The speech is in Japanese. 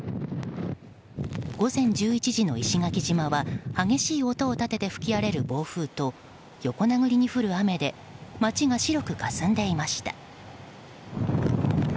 午前１１時の石垣島は激しい音を立てて吹き荒れる暴風と横殴りに降る雨で街が白くかすんでいました。